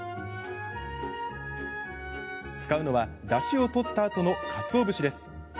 使うのは、だしを取ったあとのかつお節です。